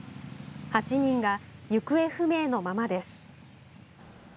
８人が行方不明のままです。